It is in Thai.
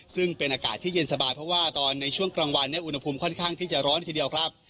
ซึ่งเป็นอากาศที่เย็นสบายเพราะว่าตอนในช่วงกลางวันเนี่ยอุณหภูมิค่อนข้างที่จะร้อนทีเดียวครับ